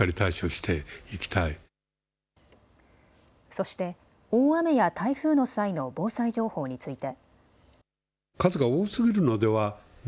そして大雨や台風の際の防災情報について。